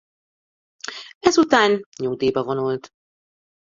Ezután nyugdíjba vonult.